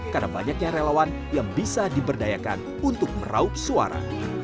karena banyaknya relawan yang bisa diberdayakan untuk meraup suara